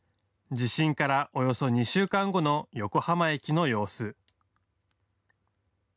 地震から、およそ２週間後の横浜駅の様子。